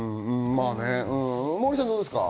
モーリーさん、どうですか？